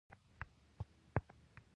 د فکر کولو لپاره څلور ربعي موډل شته.